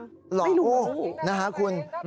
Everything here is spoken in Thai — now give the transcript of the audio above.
ไม่รู้ไม่รู้โอ้โฮนะครับคุณ